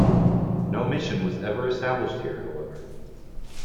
No mission was ever established here, however.